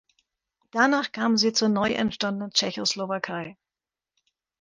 Danach kamen sie zur neu entstandenen Tschechoslowakei.